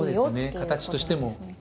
形としても。